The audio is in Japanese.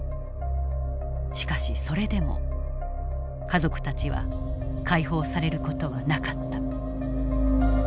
しかしそれでも家族たちは解放される事はなかった。